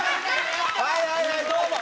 はいはいはいどうも。